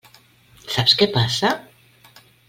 Saps què passa?